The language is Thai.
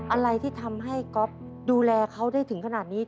อะไรที่ทำให้ก๊อฟดูแลเขาได้ถึงขนาดนี้